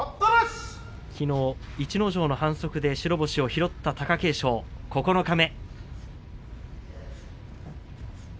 きのう逸ノ城の反則で白星を拾った貴景勝九日目。